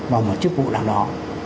và một chức vụ nào đó